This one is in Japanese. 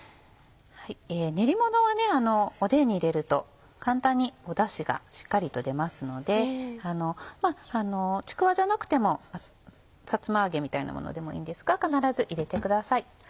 練りものはおでんに入れると簡単にダシがしっかりと出ますのでちくわじゃなくてもさつま揚げみたいなものでもいいんですが必ず入れてください。